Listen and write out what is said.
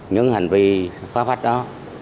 những hành vi pháp luật đó